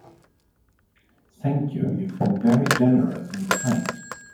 Thank you, you've been very generous and kind!